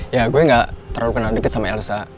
ya gue gak terlalu kenal deket sama elsa